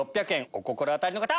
お心当たりの方！